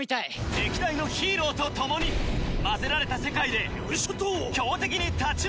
歴代のヒーローと共に混ぜられた世界で強敵に立ち向かえ！